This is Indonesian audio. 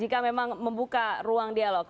jika memang membuka ruang dialog